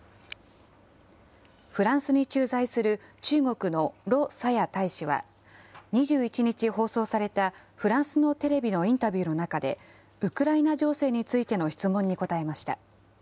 フランスに駐在する中国の盧沙野大使は、２１日放送されたフランスのテレビのインタビューの中で、ウクライナ情勢についての質問に答えました。